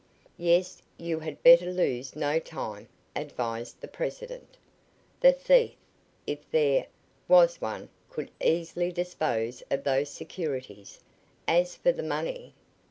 "Yes; you had better lose no time," advised the president. "The thief if there, was one could easily dispose of those securities. As for the money